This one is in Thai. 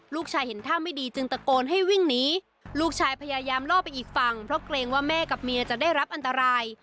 ลูกชายเห็นท่าไม่ดีจึงตะโกนให้วิ่งหนีลูกชายพยายามล่อไปอีกฝั่งเพราะเกรงว่าแม่กับเมียจะได้รับอันตราย